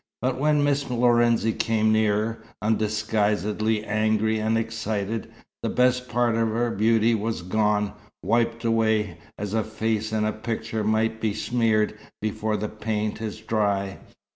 But when Miss Lorenzi came nearer, undisguisedly angry and excited, the best part of her beauty was gone, wiped away, as a face in a picture may be smeared before the paint is dry.